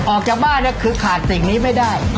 ออกจากบ้านเนี่ยคือขาดสิ่งนี้ไม่ได้